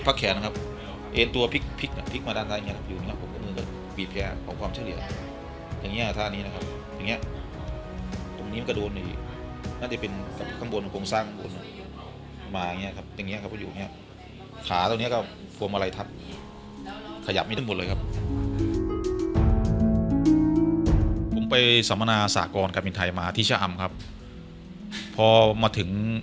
พักแขนนะครับไปสามบินไทมาที่ชอออมครับพอมาถึง